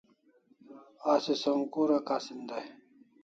Asi som kura kasin dai?